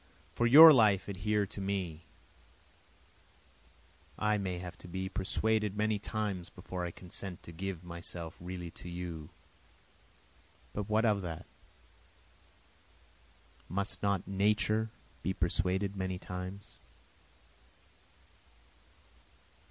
For your life adhere to me, (I may have to be persuaded many times before I consent to give myself really to you, but what of that? Must not Nature be persuaded many times?)